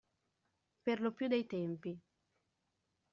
Per lo più dei tempi.